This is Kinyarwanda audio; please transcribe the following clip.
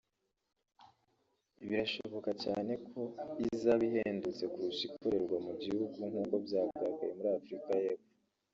birashoboka cyane ko izaba ihendutse kurusha ikorerwa mu gihugu nk’uko byagaragaye muri Afurika y’Epfo